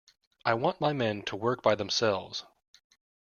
I want my men to work by themselves.